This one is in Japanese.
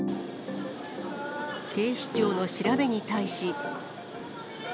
警視庁の調べに対し。